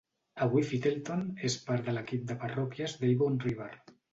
Avui Fittleton és part de l'equip de parròquies d'Avon River.